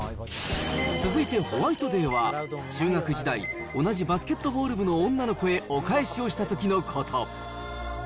続いてホワイトデーは、中学時代、同じバスケットボール部の女の子へお返しをしたときのこと。